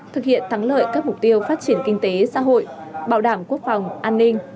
thực hiện thắng lợi các mục tiêu phát triển kinh tế xã hội bảo đảm quốc phòng an ninh